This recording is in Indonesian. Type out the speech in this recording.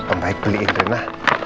om baik beliin rena